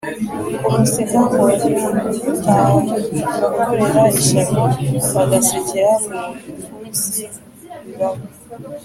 kumuseka ngo bitabakorera ishyano; bagasekera mu bipfunsi. Bibaho